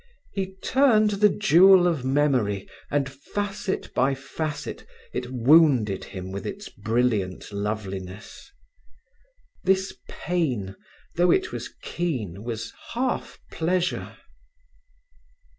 He turned the jewel of memory, and facet by facet it wounded him with its brilliant loveliness. This pain, though it was keen, was half pleasure.